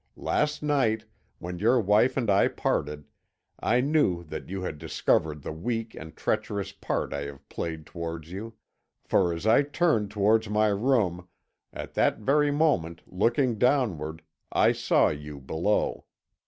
Last night, when your wife and I parted, I knew that you had discovered the weak and treacherous part I have played towards you, for as I turned towards my room at that very moment, looking downward, I saw you below.